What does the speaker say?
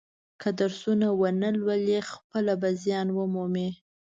که درسونه و نه لولي خپله به زیان و مومي.